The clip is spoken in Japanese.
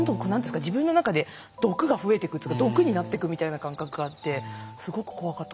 自分の中で毒が増えていくというか毒になっていくという感覚があって、すごく怖かった。